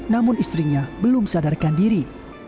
namun istrinya belum sadarkan diri